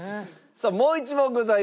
さあもう一問ございます。